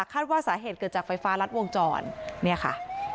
คาดว่าสาเหตุเกิดจากไฟฟ้ารัดวงจรเนี่ยค่ะ